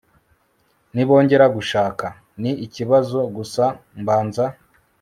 nibongera gushaka? ni ikibazo gusa mbaza